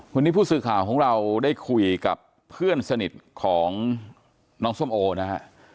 วันนี้ผู้สื่อข่าวของเราได้คุยกับเพื่อนสนิทของน้องส้มโอนะฮะ